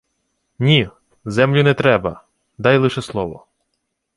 — Ні, землю не треба. Дай лише слово.